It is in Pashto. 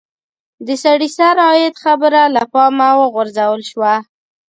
د سړي سر عاید خبره له پامه وغورځول شوه.